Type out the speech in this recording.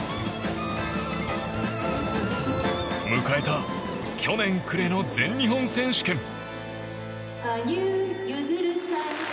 迎えた去年暮れの全日本選手権。